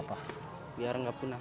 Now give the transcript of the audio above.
pelos showcase dan saran diimi